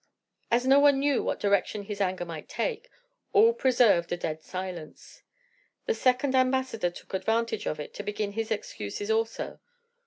As no one knew what direction his anger might take, all preserved a dead silence. The second ambassador took advantage of it to begin his excuses also.